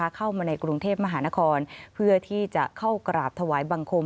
เข้ามาในกรุงเทพมหานครเพื่อที่จะเข้ากราบถวายบังคม